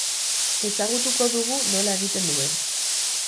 Ezagutuko dugu nola egiten duen.